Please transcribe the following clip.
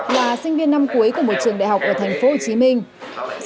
là sinh viên năm cuối của một trường đại học ở thành phố hồ chí minh